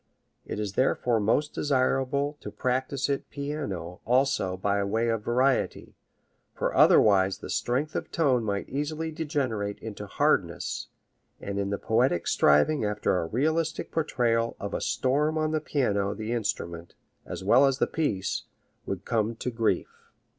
It is therefore most desirable to practise it piano also by way of variety, for otherwise the strength of tone might easily degenerate into hardness, and in the poetic striving after a realistic portrayal of a storm on the piano the instrument, as well as the piece, would come to grief.